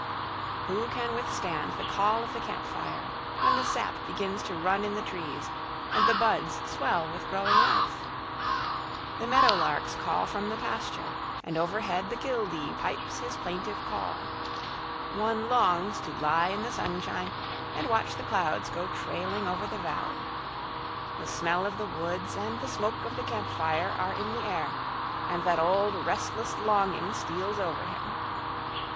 Who can withstand the call of the camp fire, when the sap begins to run in the trees, and the buds swell with growing life? The meadow larks call from the pasture, and overhead the killdee pipes his plaintive call. One longs to lie in the sunshine and watch the clouds go trailing over the valley. The smell of the woods and the smoke of the camp fire are in the air, and that old restless longing steals over him.